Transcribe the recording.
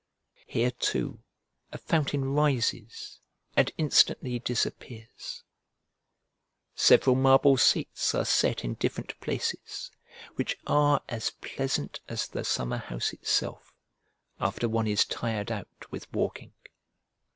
Here too a fountain rises and instantly disappears several marble seats are set in different places, which are as pleasant as the summer house itself after one is tired out with walking.